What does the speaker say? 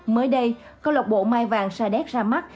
mới đây cơ lộc bộ mai vàng sa đéc ra mắt